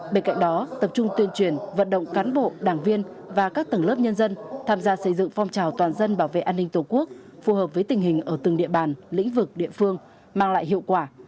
bên cạnh đó tập trung tuyên truyền vận động cán bộ đảng viên và các tầng lớp nhân dân tham gia xây dựng phong trào toàn dân bảo vệ an ninh tổ quốc phù hợp với tình hình ở từng địa bàn lĩnh vực địa phương mang lại hiệu quả